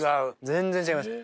全然違いますね。